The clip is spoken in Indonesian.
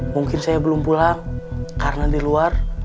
mungkin saya belum pulang karena di luar